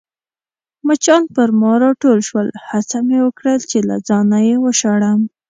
مچان پر ما راټول شول، هڅه مې وکړل چي له ځانه يې وشړم.